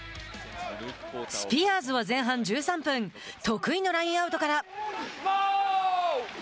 スピアーズは前半１３分得意のラインアウトから。